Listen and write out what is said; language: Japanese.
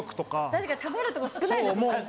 確かに食べるとこ少ないですからね。